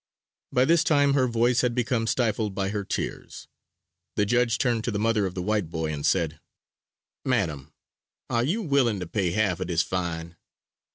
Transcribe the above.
By this time her voice had become stifled by her tears. The judge turned to the mother of the white boy and said, "Madam, are you willing to pay half of this fine?"